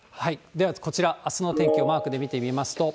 ではこちら、あすの天気をマークで見てみますと。